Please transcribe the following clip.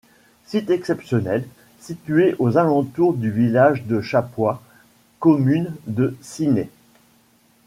Site exceptionnel, situé aux alentours du village de Chapois, commune de Ciney.